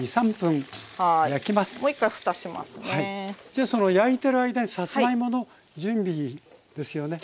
じゃあその焼いてる間にさつまいもの準備ですよね。